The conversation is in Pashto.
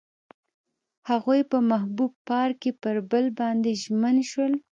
هغوی په محبوب باغ کې پر بل باندې ژمن شول.